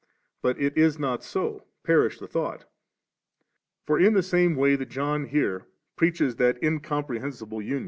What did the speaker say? But it is not so ; perish the thought 32. For in the same way that John here preaches that incomprehensible union, *the •xGor.